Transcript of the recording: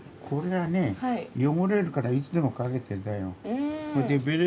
これはね汚れるからいつでもかけてるんだよ。